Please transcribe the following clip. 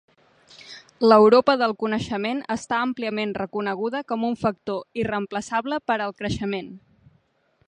l'Europa del coneixement està àmpliament reconeguda com un factor irreemplaçable per al creixement